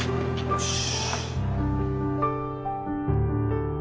よし！